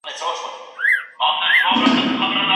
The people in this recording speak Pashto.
اوشاس